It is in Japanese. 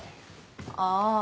ああ。